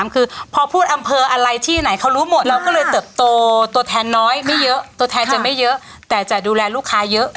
คือพอพูดอำเภออะไรที่ไหนเขารู้หมดเราก็เลยเติบโตตัวแทนน้อยไม่เยอะตัวแทนจะไม่เยอะแต่จะดูแลลูกค้าเยอะ